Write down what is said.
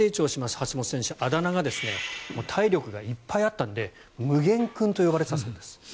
橋本選手はあだ名が体力がいっぱいあったので無限君と呼ばれていたそうです。